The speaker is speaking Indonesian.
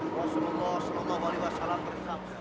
wa sunnukoh sunnukoh bali wassalamu'adzab